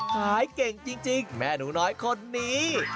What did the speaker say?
เก่งจริงแม่หนูน้อยคนนี้